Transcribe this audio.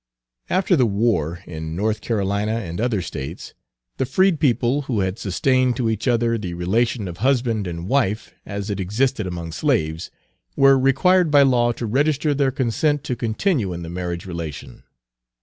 After the war, in North Carolina and other States, the freed people who had sustained to each other the relation of husband and wife as it existed among slaves, were required by law to register their consent to continue in the marriage relation.